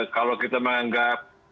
kalau kita menganggap